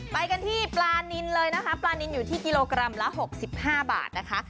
ไปกันที่ปลานินเลยนะคะปลานินอยู่ที่กิโลกรัมละ๖๕บาทนะคะ